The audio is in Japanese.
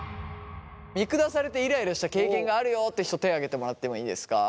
見下されてイライラした経験があるよって人手挙げてもらってもいいですか？